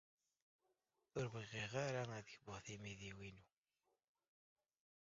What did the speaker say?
Ur bɣiɣ ara ad kbuɣ timidiwin-inu.